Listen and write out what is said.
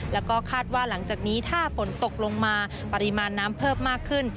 แล้วก็คาดว่าหลังจากนี้ถ้าฝนตกลงมาปริมาณน้ำเพิ่มมากขึ้น